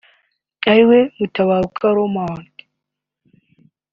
ariwe Mutabaruka Romuald